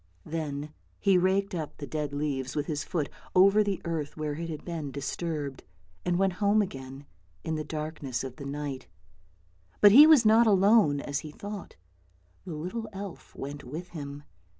Then he raked up the dead leaves with his foot, over the earth where it had been disturbed, and went home again in the c 34 ANDERSEN'S FAIRY TALES darkness of the night. But he was not alone, as he thought; the little elf went with him.